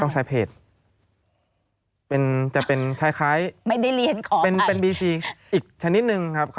ต้องใช้เพจเป็นจะเป็นคล้ายคล้ายไม่ได้เรียนของเป็นเป็นบีซีอีกชนิดหนึ่งครับครับ